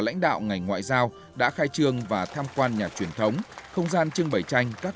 lãnh đạo ngành ngoại giao đã khai trường và tham quan nhà truyền thống không gian trưng bày tranh các